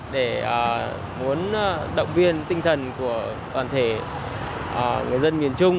để muốn động viên tinh thần của toàn thể người dân miền trung